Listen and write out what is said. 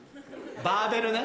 バーベルね。